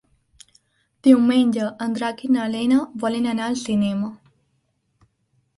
Diumenge en Drac i na Lena volen anar al cinema.